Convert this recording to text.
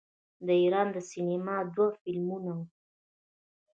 د ایران د سینما دوه فلمونه